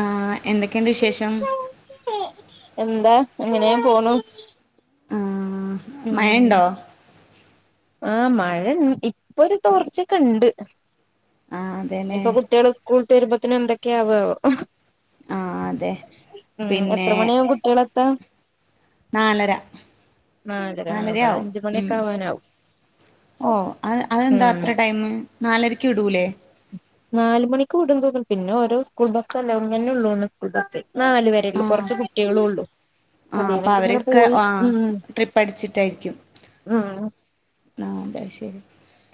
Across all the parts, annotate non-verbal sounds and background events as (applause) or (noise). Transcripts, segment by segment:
ആ എന്തൊക്കെയുണ്ട് വിശേഷം എന്താ എങ്ങനെയ പോണു ആഹ് ഉം മഴയുണ്ടോ ആ മഴ ഇപ്പൊ ഒരു തോർച്ചക്ക ഉണ്ട് ആഹ് ഇനി അതെല്ലേ ഇപ്പൊ കുട്ടികള് സ്കൂൾ എളുപ്പത്തിന് എന്തൊക്കെയാവുവോ അഹ് ആഹ് അതെ ഉം പിന്നെ എത്ര മണിയാകും കുട്ടികളെത്താൻ നാലര നാലര ഇവിടെ നാലരയാവും അഞ്ച് ഉം മണിയൊക്കെ ആവാനാവും ഓ അത് അതെന്താ ഉം അത്ര ടൈമ് നാലരക്ക് വിടൂല്ലേ നാല് മണിക്ക് വിടുന്ന്തോന്നുന്നു പിന്നെ ഓരോ സ്കൂൾ ബസ്സല്ലേ ഇങ്ങനെ ഉള്ളൂ സ്കൂൾ ബസ്സ് നാല് വരെയുള്ളു കുറച്ച് കുട്ടികളും ഉള്ളു ആ അപ്പ അവരൊക്കെ ആ ട്രിപ്പ് അടിച്ചിട്ടായിരിക്കും ഉം ആ അതുശരി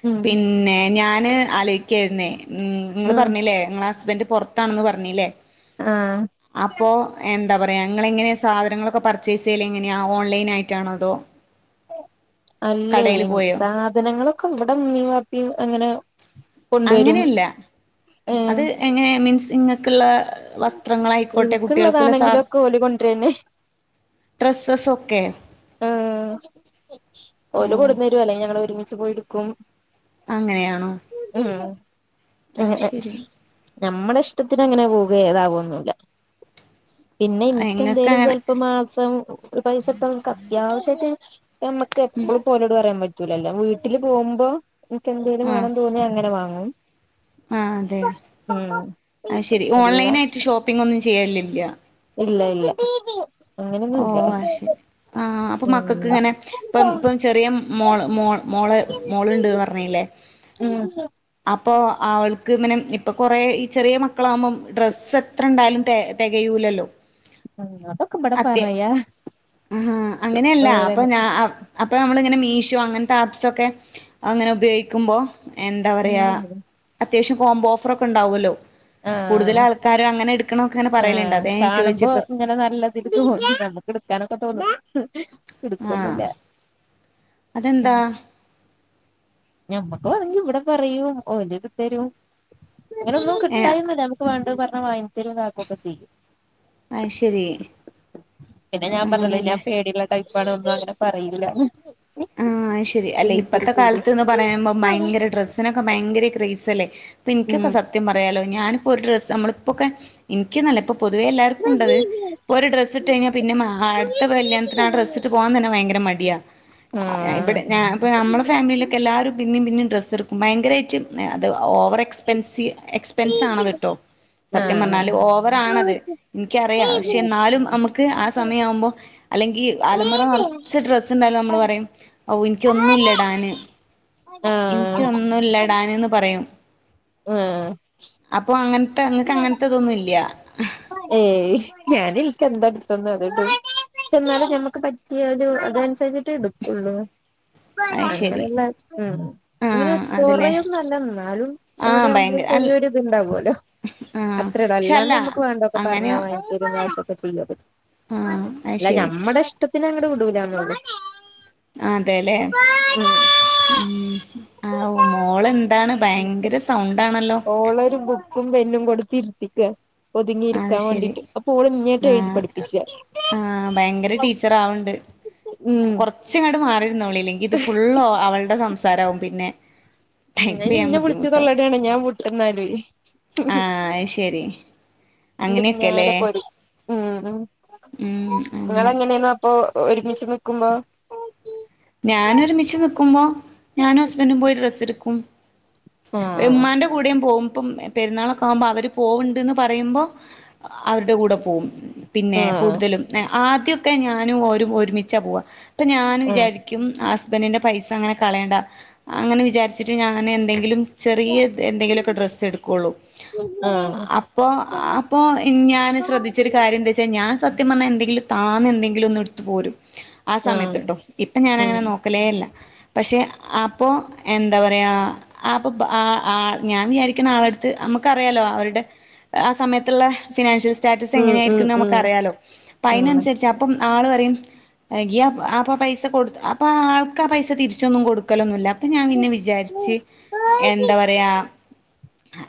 ഉം പിന്നെ ഞാൻ ഞാൻ ആലോയിക്കായിരുന്നേ ഉം നിങ്ങൾ ഉം പറഞ്ഞില്ലേ നിങ്ങളാ ഹസ്ബന്റ പുറത്താണെന്ന് പറഞ്ഞില്ലേ ആ അപ്പൊ ഉം എന്താ പറയാ നിങ്ങള് എങ്ങനെയാ സാധനങ്ങളൊക്കെ പർച്ചേസ് ചെയ്യല് എങ്ങനെയ ഓൺലൈൻ ആയിട്ടാണോ അതോ കടയിൽ അല്ലേയോ പോയോ സാധനങ്ങ ഇവിടെ ഉമ്മിയും വാപ്പിയും അങ്ങനെ കൊണ്ടുവരും അങ്ങനെയല്ല ഏഹ് അത് എങ്ങനെ മീൻസ്ങ് പിളെ വസ്ത്രങ്ങളായിക്കോട്ടെ കുട്ടികൾക്കുള്ള സാധ ഇനിക്കുള്ളതാണെങ്കിലൊക്കെ ഓല് കൊണ്ടരന്നെ ഡ്രസ്സസ് ഒക്കെ ആ ഓ ഓല് കൊണ്ടുവന്നുതരുവ അല്ലേ ഞങ്ങള് ഒരുമ മിച്ച് പോയിടുക്കും അങ്ങനെയണോ ആ അത് ശരി നമ്മുടെ ഇഷ്ടത്തിന് അങ്ങനെ പോവുകുകയില്ല (unintelligible) പിന്നെ ഇങ്ങക്ക് എനക്ക്െന്തേലും അങ്ങനെ ചിലപ്പോ മാസം പൈസ ഇട്ട യാസട്ട് നമ്മുക്ക് എപ്പോഴും പോലോട് പറയാൻ പറ്റും ലല്ല വീട്ടില് പോകുമ്പോ മിക്ക എന്തേര് വേണം തോന്നി അങ്ങനെ വാ ആഹ ആ അതെ ആ ശരി അല്ല ഓൺലൈൻ ആയിട്ട് ഷോപ്പിംഗ ഒന്നും ചെയ്യറില്ലല്ലോ ഇല്ല ഇല്ല ഓ അങ്ങനൊന്നുല്ല ശരി ആ അപ്പൊ മക്കൾക്ക് ഉം ഇങ്ങനെ ഇപ്പ ഇപ്പ ചെറിയ മോോ മോള് മോളുണ്ട്ന്ന് പറഞ്ഞല്ലേ ഇപ്പൊ അവൾക്ക് പിനെ ഇപ്പൊ കുറേ ഈ ചെറിയ മ മക്കളാകുമ്പം ഡ്രസ്സ് എത്ര ഉണ്ടായാലും തികയൂലല്ലോ ഉം അപ്പ ക്ക പട പാറയ ആഹാ അങ്ങനെയല്ല അപ്പൊ ഞാ അപ്പോൾ നമ്മളിങ്ങനെ മീഷോ അങ്ങനത്തെ ആപ്സൊക്കെ അങ്ങനെ ഉപയോഗിക്കുമ്പോൾ എന്താ പറയാ ഉം അത്യാശ്യം കോബോ ഓഫൊക്കെ ഉണ്ടാവുമല്ലോ കൂടുതൽ ആഹ് ആൾക്കാരും അങ്ങനെ എടുക്കണൊക്കെ അങ്ങനെ പറയലുണ്ട് ആഹ് അതാ ഞാൻ ചോദിച്ചെ കാണുമ്പോ പ്ര ഇങ്ങനെ നല്ലതിൽ തോന്നും നമുക്ക് എടുക്കാനൊക്കെ തോന്നും ആഹ് എടുക്കൊന്നുല്ല അതെന്താ? ഉം ഞമ്മക്ക് പറഞ്ഞു ഇവിടെ പറയും ഓലോട് തരും ഇങ്ങനൊന്നും ഏഹ് മുട്ടായിന്നൂല്ല നുക്ക് വേണ് ആ പറഞ്ഞ (unintelligible) വാനരാക്കുമൊക്കെ ചെയ്യും അയ്ശരി പിന്നെ ഞാൻ പറഞ്ഞില്ലെ ഞാൻ അങ്ങനെയല്ലേ പേടിയുള്ള ടൈ പടൊന്നും അങ്ങനെ പറയൂല്ല ആഹ ശരി അല്ലേ ഇപ്പത്തെ കാലത്ത്ന്ന് പറയുമ്പോ ഭയങ്കര ഡ്രസ്സിനൊക്കെ ഭയങ്കര ക്രേസ് അല്ലേ ഇപ്പൊ എനിക്കൊക്കെ ഉം സത്യം പറയാലോ ഞാൻ ഇപോ ഒരു ഡ്രസ്സ് നമ്മളിപ്പോക്ക എനക്ക്ന്നല്ല ഇപ്പ പൊതുവേ എല്ലാവർക്കും ഉണ്ടത് ഇപ്പോ ഒരു ഡ്രസ്ട്ട് കഴിഞ്ഞാ പിന്നെ അടുത്ത കല്യാണത്തിന് ഡ്രസ്ട്ട് പോവാൻ തന്നെ ഭയങ്കര മടി അദ്യ ആ ഞാ ആഹ് ഇവിടെ ഞാ ഇപ്പ നമ്മള ഫാമിലിയിലൊക്കെ എല്ലാരും പിന്നെം പിന്നേം ഡ്രസ്സ് എടുക്കും ഭയങ്കരമായിട്ട് ങാ അത് ങ് ഓവർ എക്സ്പെൻസീ എക്സ്പെൻസ് ആണത് കേട്ടോ സത്യം പറഞ്ഞാൽ ഓവറാണത് എനിക്കറിയാം പക്ഷെ എന്നാലും നമുക്ക് ആ സമയം ആവുമ്പോൾ അല്ലെങ്കിൽ അലമറ നിറച്ച് ഡ്രസ്സ് ഉണ്ടായും നമ്മൾ ആഹ് പറയും ഓ നിക്കൊന്നും ഇല്ല ടാന് ആഹ് എനിക്ക് ഒന്നൂല്ല ഡാനന്ന് പറയും. ആഹ് ആ തങ്ങൾക്ക് അങ്ങനത്ത ഇതൊന്നും ഇല്ല ഏയ് ഞാന് എനിക്ക് എന്താ എടുത്തേന്ന് അറിയോ പക്ഷേ എന്നാലും ഞമക്ക് പറ്റിയ അതനുസരിച്ചിട്ടേ എടുക്കോള്ളൂ. അത് ശരി അങ്ങനെയുള്ള ഉ ഇങ്ങനെ ആഹ് അതല്ലേ ചൊറൊന്നല്ല എന്നാലും ആഹ് എവിടെയാവുമ്പോഴും ഭയങ്കര അല്ല ചെറിയൊരി ഇത്ണ്ടാാവുമല്ലോ ആഹ് അത്ര ഒള്ളൂ പക്ഷെ അല്ലാണ്ട് അല്ല നമ്മുക്ക് വേണ്ടൊക്കെ അങ്ങനെ പറഞാ വാങ്ങി തരും ലേഷം പച്ചില്ല പറ്റ ആഹ് അത് അല്ല ശരി ഞമ്മുടെ ഇഷ്ടത്തിന് അങ്ങട് കിട്ടൂല നമ്മൾത് അതെല്ലേ ഉം ആ മോള്എന്താണ് ഓളരു ബുക്കും പെനും കൊട്ട്ത്തിര്ത്തിക്ക അത് ഒതുങ്ങിയിരിക്കാൻ ശരി വേണ്ടിട്ട് അപ്പൊ ഓള് ഇങ്യെട്ട് എഴുതി ആഹ് പഠിപ്പിച്ച ആഹ് ഭയങ്കര ടീച്ചർ ആവ്ണ്ട് ഉം ന്നോളി ഇല്ലെങ്കിത് ഫുള്ള് ഒ അവള്ടെ സംസാ സാരവും പിന്നെ ടൈപ്പ് (unintelligible) ചെയ്യാൻ ഇന്നെ വിള്ച്ച് തൊള്ളടാണെ ഞാൻ വിട്ട്ന്നാ ഉം ആഹ അയ്ശരി എന്റെ പിന്നാലെ പോരും ഉം ഉം ഉം അങ്ങനെ നിങ്ങളെങ്ങനെന്നപ്പൊ ഒരുമിച്ച് നിക്കുമ്പോ ഞാനൊരുമിച്ച് നിക്കുമ്പോ ഞാനും ഹസ്ബൻഡും പോയി ഡ്രസ് എട്ക്കും ആഹ് ഉമ്മാന്റെ കൂടിം പോകും ഇപ്പം പെരുന്നാളൊക്കെ ആകുമ്പോൾ അവര് പോവണ്ട്ന്ന് പറയുമ്പോ അവരുടെ കൂടെ പോവും പിന്നെ ആഹ് കൂടുതലും ആദ്യൊക്കെ ഞാനും ഒരു ഒരുമിച്ചാ പോവാ അപ്പം ഞാൻ ആഹ് വിചാരിക്കും ഹസ്ബെന്റിന്റെ പൈസ അങ്ങനെ കളയണ്ട അങ്ങനെ വിചാരിച്ചിട്ട് ഞാനെന്തെങ്കിലും- ചെറിയ എന്തെങ്കിലുമൊക്കെ ഡ്രസ്സ് എടുക്കുള്ളൂ ആഹ് അപ്പൊ അപ്പോ ഞാൻ ശ്രദ്ധിച്ചൊരു കാര്യം എന്താച്ചാ ഞാൻ- സത്യം പറഞ്ഞാൽ എന്തങ്കിലും താന്നെ എന്തെങ്കിലും ഒന്ന് എടുത്ത് പോരും ആ ആഹ് സമയത്ത്ട്ടോ ഇ- ഉം ഞാനങ്ങനെ നോക്കലേല്ല പഷേ അപ്പൊ എന്താ പറയാ അപ്പൊ ഞാൻ വിചാരിക്കണ ആൾടെടുത്ത് നമുക്ക് അറിയാലോ അവരുടെ ആ സമയത്തുള്ള ഫിനാൻഷ്യസ്- സ്റ്റാറ്റസ് ഉം ഉം എങ്ങനെയായിരിക്കുംന്ന് നമുക്ക് ഉം അറിയാലോ അപ്പൊ അതിനനുസരിച്ച് അപ്പം ആള് പറയും (inaudible) അപ്പ പൈസ കൊടു- അപ്പ ആൾക്ക് ആ പൈസ തിരിച്ചൊന്നും കൊടുക്കലൊന്നുല്ല പ്പ ഞാൻ പിന്നെ വിചാരിച്ച് എന്താ പറയാ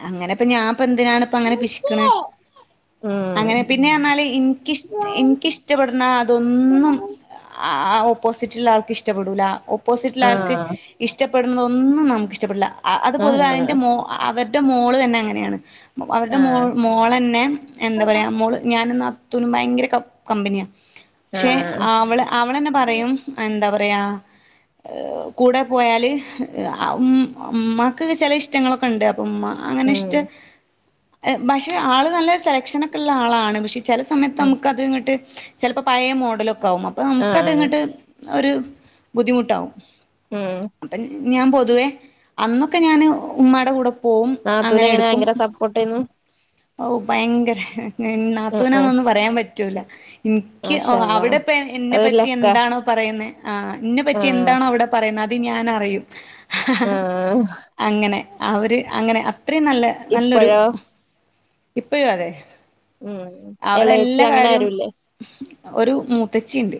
അങ്ങനെപ്പ ഞാൻ ഇപ്പ എന്തിനാണ് ഇപ്പ അങ്ങനെ പ്പെന്തിനാണ് അങ്ങനെ പിശിക്കണ അങ്ങനെ ഉം പിന്നെ പറഞ്ഞാല് എനിക്ക് എനിക്കിഷ്ടപ്പെടണ അതൊന്നും- ഉം ആ ഓപ്പോസിറ്റ്- മറ്റുള്ളൾക്കു ഇഷ്ടപ്പെടൂല ഓപ്പോസിറ്റില ആൾക്ക് ആഹ് ഇഷ്ട- പെടുന്നതൊന്നും നമുക്കിഷ്ടപ്പെടില്ല അത് പൊതുവെ അതിന്റെ ആഹ് മോ അക്ക ന്റെ മോള് തന്നെ അങ്ങനെയാണ് അവരുടെ ആഹ് മോള ന്നെ എന്താ പറയാ മോള് ഞാൻ ന്നാ നത്തുനും ഭയങ്കര കമ്പ് കമ്പനിയ ക്ഷെ ആഹ് അവള് അവളെന്നെ പറയും എന്താ പറയാ കൂടെ പോയാല് അമ്മക്ക് ചെല ഇഷ്ടങ്ങളൊക്കെ ഉണ്ട് അ ഉമ്മ അങ്ങനെ ഉം ഇഷ്ട ഭഷേ ആള് നല്ല സെലക്ഷനൊക്കെ ഇള്ള ആളാണ് പഷേ ചെല സമയത്ത് ഉം നമുക്കത് ങ്ങട്ട് ചെലപ്പോ പയേ മോഡലു ക്കാവും അപ്പൊ നമുക്കത് ആഹ് അങ്ങട്ട് ഒരു ബുദ്ധിമുട്ടാവും ഉം അപ്പൊ ഞാൻ പൊതുവേ അന്നൊക്കെ ഞാൻ ഉമ്മാടെ കൂടെ പോവും നാത്തൂന്നങ്ങനെ ഭയങ്കര സപ്പോട്ടേര്ന്നു ഒവ് ഭയങ്കരെ ഉം നാത്തൂനാനൊന്നും പറയാൻ പറ്റൂല്ല എനിക്ക് മാഷാ അള്ളാ അവിടെപ്പ എന്നെ അതൊരു പറ്റി ലക്കാ എന്താണോ? പറയുന്നേ ആ ഇന്നെ പറ്റി ആഹ് എന്താണോ അവിടെ പറയുന്നെ ത് ഞാനറിയും ആഹ് അങ്ങനെ അവര് അങ്ങനെ അത് അത്രയും നല്ല നല്ലൊരു ഇപ്പഴോ ഇപ്പയും അതെ ഉം ഇളയേച്ചി അവളെല്ലാ അങ്ങനെ കാര്യവും ആരുല്ലേ? ഒരു മൂത്തച്ചി ഇണ്ട്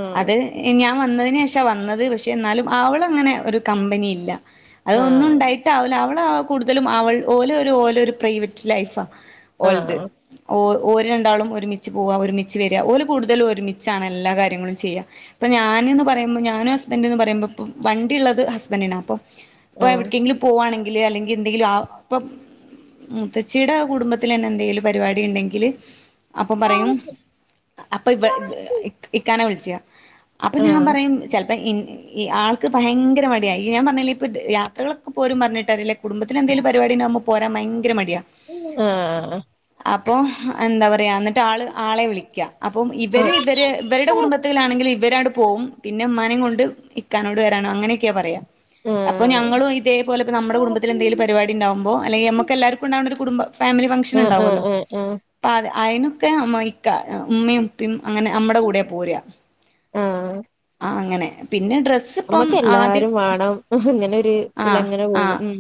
ഉം അത് ഞാ ൻ വന്നതിനന് ശേഷം വന്നത് പക്ഷേ എന്നാലും അവള അങ്ങനെ ഒരു കമ്പനിയില്ല അതൊന്നും ആഹ് ഉണ്ടായിട്ടാവൂല അവൾ ആ കൂടുതലും അവൾ ഓലോ ഓലോ ഒരു പ്രൈവറ്റ് ലൈഫാ ഒൽത് ആഹ് ഓ ഓര് രണ്ടാളും ഒരുമിച്ച് പോവാ ഒരുമിച്ച് വര ഓര് കൂടുതലും ഒരുമിച്ചാണ് എല്ലാ കാര്യങ്ങളും ചെയ്യാ ഇപ്പംഞാനന്ന്പറയുമ്പോ ഞാനും ഹസ്ബൻറ്റ് എന്ന് പറയുമ്പോ അപ്പം വണ്ടി ഇള്ളത് ഹസ്ബൻറ്റിനാ അപ്പോ ഇപ്പൊ ആഹ് എവിടക്കെങ്കിലും പോവാണെ (unintelligible) അല്ലെങ്കി എന്തെങ്കിലും ഇപ്പ മുത്തച്ചിടെ ആ കുടുംബത്തി തന്നെ എന്തെങ്കിലും പരിപാടി ഇണ്ടെങ്കില് അപ്പൊ പറയും ആഹ് അപ്പൊ ഇ ഇക്കാനാ വിളി ച്ച അപ്പൊ ഞാൻ ആഹ് പറയും ചെ അപ്പഇആൾക്ക്ഭയങ്കരമടിയഞാൻ പറഞ്ഞ ഇപ്പ യാത്രകളൊക്കെ പോലും പറഞ്ഞിട്ടറ കുടുംബ ത്തിലെന്തെങ്കും പരിപടി ഇണ്ട പോരാൻ ഭയങ്കര മടിയാ ഉ ആഹ അപ്പോ എന്താ പറയാ എന്നിട്ട് ആ ആളെ വിളിക്കുക അപ്പം ഇവര് ഇവ ഇവരുടെ കുടുംബ ആണെങ്കിൽഇവരവിടെപോവുംപിന്നെ ഇമ്മാനും കൊണ്ട് ഇക്കാനോട് വരാനോ അങ്ങനെയൊക്കെയാ പറയാ അപ്പൊ ഞങ്ങളുംഇതേപോലെപ്പനമ്മ കുടുംബത്തില എന്തെങ്കിലും പരിപാടിഇണ്ടകുമ്പോ അല്ലങ്കി നമ്മെക്കെല്ലാർക്കും ഉണ്ടാവ കുടുംബ ഫാമിലി ഫംഗ്ഷൻ ആഹ് ഉണ്ടാവല്ലോ ആഹ് ആഹ് പ ആയിനൊക്കെ അമ്മയിക്ക ഉമ്മി ഉപ്പിം അങ്ങനെ നമ്മടെ കൂടെ പോര ആഹ അങ്ങനെ പി നമ്മക്ക് എല്ലാരും വേണം അങ്ങനെരു ആഹ് ഇതിലങ്ങനെ പോകും ആഹ് ഉം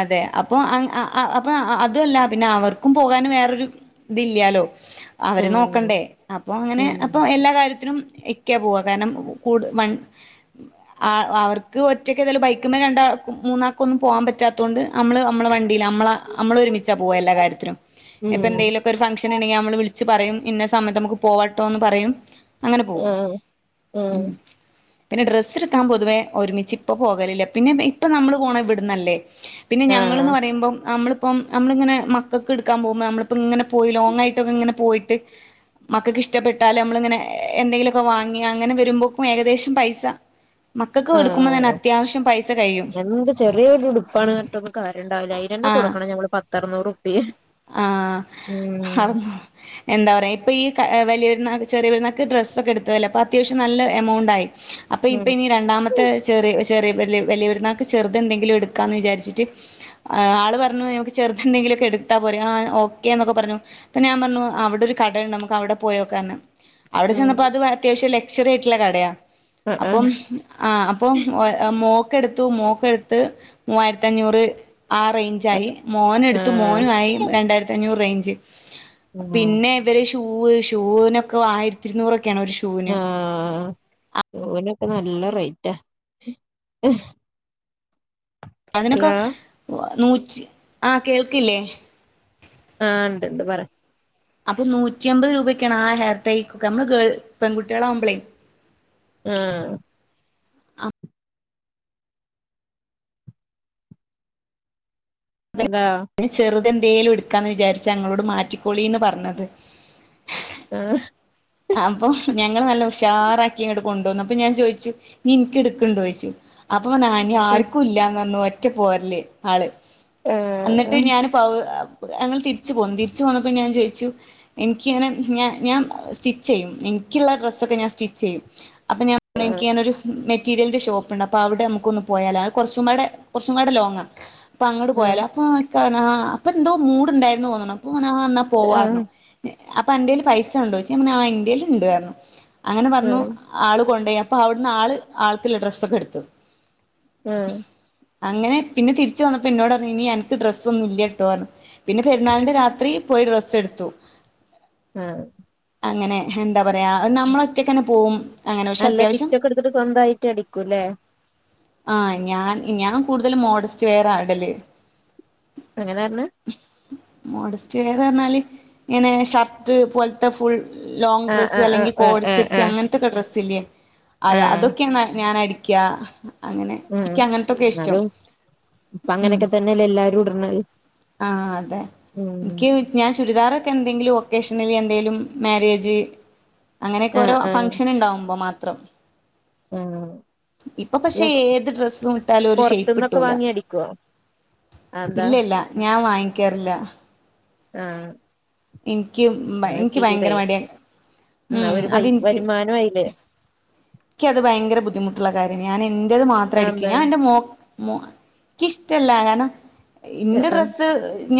അതെ അപ്പൊ അപ്പൊ അതല്ല പിന്നെ അവർക്കും പോകാനും വേറൊരു ഇതില്ലാലോ അവര് ആഹ് നോക്കണ്ടേ അപ്പൊ അങ്ങനെ ഉം അപ്പൊ എല്ലാ കാര്യത്തി ഇക്ക്യ പോവുക കാരണം അവർക്ക് ഒറ്റക്ക് ഏതായാലും ബൈക്കിമ്മേ രണ്ടാൾ മൂന്നാൾക്ക് ഒന്നും പോകാൻ പറ്റാത്തകൊണ്ട് നമ്മള് നമ്മള വണ്ടി നമ്മള നമ്മൾ ഒരുമിച്ചാ പോകുക എല്ലാ കാര്യത്തിലും ഉം ഇപ്പം എന്തെങ്കിലുമൊക്കെ ഒരു ഫങ്ഷൻ ഉണ്ടെങ്കിൽ നമ്മള് വിളിച്ച് പറയും ഇന്ന സമയത്ത് നമുക്ക് പോവട്ടോന്ന് പറയും അങ്ങനെ പോവും ആഹ് ആഹ് പിന്നെ ഡ്രസ്സ് എടുക്കാൻ പൊതുവേ ഒരുമിച്ച് ഇപ്പോൾ പോകലില്ല പിന്നെ ഇപ്പൾ നമ്മൾ പോകണ ഇവിടുന്നല്ലേ പിന്നെ ഞങ്ങളന്ന് ആഹ് പറയുമ്പോം നമ്മള് ഇപ്പം നമ്മളിങ്ങനെ മക്കൾക്ക് എടുക്കാൻ പോകുമ്പോൾ നമ്മളിപ്പോം ഇങ്ങനെ പോയി ലോങ് ആയിട്ടൊക്കെ ഇങ്ങനെ പോയിട്ട് മക്കൾക്ക് ഇഷ്ടപ്പെട്ടാൽ നമ്മളിങ്ങനെ എന്തെങ്കിലുമൊക്കെ വാങ്ങി അങ്ങനെ വരുമ്പോക്കും ഏകദേശം പൈസ ആ മക്കൾക്ക് എടുക്കുമ്പോ ആ തന്നെ അത്യാവശ്യം പൈസ കഴിയും എന്ത് ചെറിയൊരു ഉടുപ്പാണ് എന്നിട്ടൊന്ന കാര്യംണ്ടാവില്ലയിരന്നെ കൊടുക്കണം ഞമ്മൾ പ അറുനൂറുപ്പി ആ എന്താ പറയാ ഇപ്പൊ ഈ വലിയൊരു ചെറിയപെരുന്നാൾക്കു ഡ്രസ്സൊക്കെ എടുത്തല്ല അപ്പോ അത്യാവശ്യം നല്ല എമൗണ്ടായി അപ്പൊ ഇപ്പ ഉം ഇനി രണ്ടാമത്തെ ചെറിയ ചെറിയ വലിയ വലിയ പെരുന്നൾക്ക് ചെറുത് എന്തെങ്കിലും എടുക്കാന്ന് വിചാരിച്ചിട്ട് ആൾ പറഞ്ഞു നമുക്ക് ചെറുതെന്തെങ്കിലുമൊക്കെ എടുക്ക് ടുത്താ പോരേ ആ ഓക്കേ എന്നൊക്കെ പറഞ്ഞു അപ്പൊ ഞാൻ പറഞ്ഞു അവിടെ ഒരു കടയുണ്ട് നമുക്ക് അവിടെ പോയോക്കാന്നു അവിടെ ഉം ചെന്നപ്പോ അത് അത്യാവശ്യം ലക്ഷ്വറി ആയിറ്റിലെ കടയാ ആഹ് അപ്പം ആഹ് ആ അപ്പം മോ ക്ക് എടുത്തു മോക്കെടുത്ത് മൂവായിരത്തി അഞ്ഞൂറ് ആ റേഞ്ചായി മോനെടുത്തു മോൻ ആഹ് യും രണ്ടായിരത്തി അഞ്ഞൂറ് റേഞ്ച് ആഹ് പിന്നെ ഇവര് ഷൂവ് ഷൂവിനൊക്കെ ആയിരത്തി ഇരുന്നൂറൊ ആ നല്ല റേറ്റാ അതിനൊക്കെ ഹലോ നൂറ്റി ആ കേൾക്കില്ലേ ആ ഉണ്ട്ണ്ട് പറ അപ്പം നൂറ്റി അമ്പത് രൂപ ഒക്കെണ് ആ ഹെയർ ടൈക്കൊക്കെ നമ്മള് പെൺകുട്ടികളാകുമ്പളേ ആ അതാ എന്തേലും എടുക്കാന്ന് വിചാരിച്ച ഞങ്ങളോട് മാറ്റിക്കൊളീ പറഞ്ഞത് ആഹ് അപ്പം ഞങ്ങള് നല്ല ഉഷാറാക്കി അങ്ങട് കൊണ്ടുവന്നു അപ്പൊ ഞാൻ ചോയിച്ചു ഇനിൻക്ക്ട്ക്ക്ണ്ടോന്നു ചോയിച്ചു അപ്പ അപ്പം ആ ഇനി ആർക്കും ഇല്ലാന്നു പറഞ്ഞു ഒറ്റ പോരല് ആള് എന്നിട്ട് ആഹ് ഞാന് പൗ ഞങ്ങൾ തിരിച്ചു പോന്നു തിരിച്ചു പോന്നപ്പോ ഞാൻ ചോയിച്ചു എനിക്കിങ്ങനെ ഞാൻ ഞാൻ സ്റ്റിച്ച് ചെയ്യും ഇൻക്കുള്ള ഡ്രസ്സൊക്കെ ഞാൻ സ്റ്റിച്ച് ചെയ്യും അപ്പം ഞാൻ പറഞ്ഞു ആഹ് എനിക്ക് ഇങ്ങനൊരു മെറ്റ് റ്റീരിലിന്റെ ഷോപ്പ്ണ്ട് അപ്പോ അവിടെ നമുക്കൊന്ന് പോയാലോ അത് കുറച്ചുംപാടെ കുറച്ചും പാടെ ലോങ്ങാ അപ്പം അങ്ങട് പോയാലോ ആഹ് അപ്പാ (unintelligible) അപ്പൊ എന്തോ മൂഡ് ഉണ്ടായിന്ന് തോന്നുന്നു അപ്പൊ ന്നാ ആ പോവാന്നു ആഹ് അപ്പം അന്റെ ല് പൈസ ഉണ്ടോ ചോയി ച്ച് അപ്പം ഞാൻ പറഞ്ഞു ആ ഇൻ്റെല് ഇണ്ട് പറഞ്ഞു അങ്ങനെ പറഞ്ഞു ആഹ് ആള് കൊണ്ടയാ അപ്പൊ അവിടുന്ന് ആള് ആൾക്ക്ല്ല ഡ്രസ്സൊക്കെ എടുത്തു ങ് ആ അങ്ങനെ പിന്നെ തിരിച്ചു വന്നപ്പോ ഇന്നോട് ഇനി അനക്ക് ഡ്രസ്സ് ഒന്നും ഇല്ല്യട്ടോ പറഞ്ഞു പിന്നെ പെരുന്നാളിന്റെ രാത്രി പോയി ഡ്രസ്സ് എടുത്തു ആഹ് അങ്ങനെ ഹ് എന്താ പറയാ നമ്മള് ഒറ്റക്ക് തന്നെ പോവും അങ്ങനെ പക്ഷെ നല്ല അത്യാവശ്യം ബിറ്റൊക്കെ എടുത്തിട്ട് സ്വന്തായിട്ട് അടിക്കൂല്ലേ ആഹ് ഞാൻ ഞാൻ കുടുതലും മോഡസ്റ്റ് വെയർ ആ ഇടല് അങ്ങനെ പറഞ്ഞെ മോഡസ്റ്റ് വെയറ് പറഞ്ഞാല് ഇങ്ങനെ ഷർട്ട് പോലെ ത്തെ ഫുൾ ലോങ്ങ് ആഹ് ഡ്രസ്സ് ആഹ് അല്ലെങ്കിൽ ആഹ് കോഡ് ആഹ് സെറ്റ് ആഹ് അങ്ങനത്തൊക്കെ ഡ്രസ്സില്ലേ ആഹ് അത് ആഹ് അതൊക്കെ ഞാനാ ക്യാ അങ്ങനെ ഉം എനിക്ക് അങ്ങനത്തൊക്കെയാ ഇഷ്ടം എന്നാലും ഇപ്പ ഉം അങ്ങനെയൊക്കെ തന്നെയല്ലേ എല്ലാരും ഇടണത് ആ അതെ എനിക്ക് ഉം ഞാൻ ഞാൻ ചുരിദാറ് ക്ക് എന്തെങ്കിലും ഒക്കേഷനിൽ എ ന്തേലും മാര്യേജ് അങ്ങനെയൊക്കെ ആഹ് ഓരോ ആഹ് ഫംഗ്ഷന് ഉണ്ടാകുമ്പോ മാത്രം ആഹ് ഇപ്പൊ അല്ല പക്ഷെ ഏത് ഡ്രെസ്സും ഇട്ടാലും ഒരു പൊറത്തുന്നൊക്കെ ഷേപ്പ്യ്ട്ടുല വാങ്ങി അടിക്കുവോ അതെന്താ ഇല്ല ഇല്ല ഞാൻ വാങ്ങി കേറില്ല ആഹ് ഇൻ നിക്ക് ഭയ എന്നാ എനിക്ക് ഭയങ്കര ചെയ്തൂടെ മടിയാ എന്നാ ഉം ഒരു അത് പൈസ എനിക്ക് വരുമാനം ആയില്ലേ എനിക്കത് ഭയങ്കര ബുദ്ധിമുട്ടുള്ള കാര്യമാണ് ഞാൻ എ ൻ്റേത് മാത്രം അടിക്ക അതെന്താ ഞാൻ എന്റെ മോ മോ എനിക്കിഷ്ടല്ല അങ്ങനെ ആഹ് ഇന്റെ ആഹ് ഡ്രസ്സ്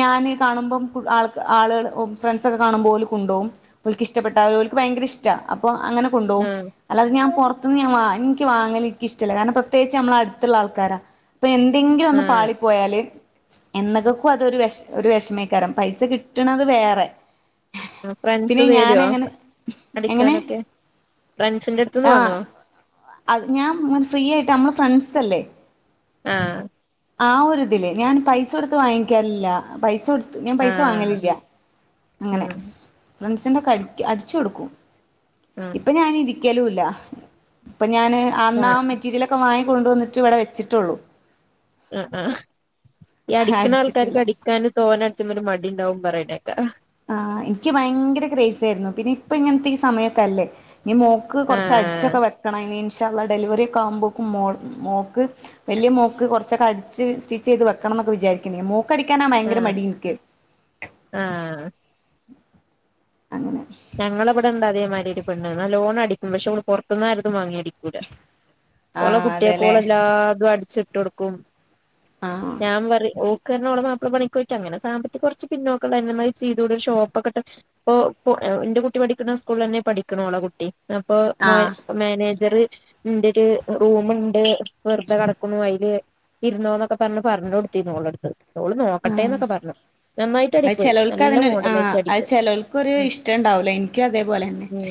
ഞാന് കാണുമ്പോം കു ആൾ ആ ആളുകൾ ഫ്രണ്ട്സൊക്കെ കാണുമ്പോൾ ഓല് കൊണ്ടുപോകും ഓലിക്കു ഇഷ്ടപ്പെട്ട ഓലൂക്ക് ഭയങ്കര ഇഷ്ടാ അപ്പൊ അങ്ങനെ കൊണ്ടുപോകും അല്ലതെ ഞാൻ ആഹ് തും എനിക്ക് വാങ്ങൽ എനിക്ക് ഇഷ്ടല്ല കാരണം പ്രത്യേകിച്ച് നമ്മള അടുത്തുള്ള ആൾക്കാരാ ഇപ്പൊ എന്തെങ്കിലും ഒന്ന് പാളി പോയാല് എന്നുകൾക്കും അതൊരു വിഷ ഒരു വിഷമക്കാരം പൈസ കിട്ടണത് വേറെ ആ പിന്നെ ഫ്രണ്ട്സ് ഞാൻ തരുവോ അങ്ങനെ എങ്ങനെ അടിക്കാനൊക്കെ ഫ്രണ്ട്സിന്റെ അടുത്ത് ഇന്ന് വന്നോ? ആഹ് അത് ഞാൻ ഫ്രീ ആയിട്ട് നമ്മള് ഫ്രണ്ട്സ് അല്ലേ ആ ആ ഒരു ഇതില് ഞാൻ പൈസ കൊടുത്ത് വാങ്ങിക്കലില്ല പൈസ കൊടുത്ത് ഞാൻ പൈസ ആഹ് വാങ്ങലില്ല അങ്ങനെ. ആഹ് ഫ്രണ്ട്സിന്റെക്കെ അ അടിച്ചു കൊടുക്കും. ആഹ് ഇപ്പൊ ഞാനിരി ക്കലുല്ല അപ്പം ഞാന് അന്ന് ആ മെറ്റീരിയലൊക്കെ വങ്ങി കൊണ്ടുവന്നിട്ട് ഇവിടെ വെച്ചിട്ടുള്ളൂ ആ ആ ഈ അടിക്കണ അടിച്ചിട്ടില്ല ആൾക്കാർക്ക് അടിക്കാനും തോന ചെറിയ ഒരു മടി ഉണ്ടാവും പറയണ കേക്കാം ആ എനിക്ക് ഭയങ്കര ക്രേസ് ആയിരുന്നു ഇപ്പൊ ഇങ്ങനത്തെ സമയൊക്കെ അല്ലേ ഇനി മോക്ക് കുറച്ച ആഹ് അടിച്ചൊക്കെ വെക്കണം ഇനി ള്ള ഡെലിവറി ഒക്ക ആമ്പോൾക്ക മോക്ക് വലിയ മോക്ക് കുറച്ചൊക്കെ അടിച്ച് സ്റ്റിച്ച് ചെയ്ത് വെക്കണം എന്നൊക്കെ വിചാരിക്കണ്ട് മോ അടിക്കാനാ ഭയങ്കര ആഹ് മടി ഇൻക്ക് ആഹ് അങ്ങനെ ഞങ്ങളവിടെണ്ട അതേ മാതിരി പെണ്ണ് നല്ലോണം അടിക്കും പക്ഷേ അവൾ പുറത്തുനിന്നാരതും വാങ്ങിയി അടിക്കൂല്ല ഓള ആഹ് കുട്ടികൾക്കു അതെല്ലേ ഓളല്ലാതും അടിച്ച ഇട്ടുകൊടുക്കും ആഹ് ഞാൻ പറയും ഓ ഓള മാപ്പിള പണിക്കുപോയിട്ട് അങ്ങനെ സാമ്പത്തിക കുറച്ച് പിന്നോക്കുള്ള ചെയ്തൊ ഷോപ്പ്ക്കട്ടപ്പോ എന്റെ കുട്ടി പഠിക്കുന്ന സ്കൂളിൽ തന്നെ പഠിക്കണോളെ കുട്ടി അപ്പൊ ആഹ് മാനേജർ എന്റെ ഒരു റൂമുണ്ട് വെറുതെ കടക്കുന്നു അതിൽ ഇരുന്നോ എന്നൊക്കെ പറഞ്ഞ് പറഞ്ഞു കൊടുത്തിന്നു ഓളടുത്ത് ഓള് നോക്കട്ടെന്നൊക്കെ പറഞ്ഞു നന്നായിട്ട് അത് അടിക്കുഎയ് ചെലോൽക്ക് നല്ല മോഡലായിട്ട് അടിക്കും ഇഷ്ടം ഉണ്ടാവല്ലോ ഇൻക്കും അതേപോലെ തന്നെ ഉം